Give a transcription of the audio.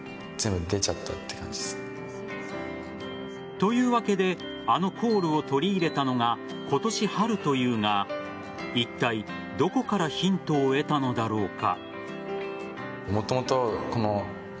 というわけであのコールを取り入れたのが今年春というがいったいどこからヒントを得たのだろうか。